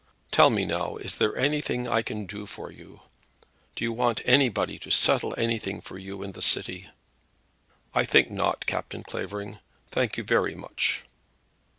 Tell me now; is there anything I can do for you? Do you want anybody to settle anything for you in the city?" "I think not, Captain Clavering; thank you very much."